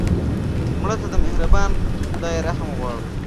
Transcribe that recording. مړه ته د مهربان خدای رحم غواړو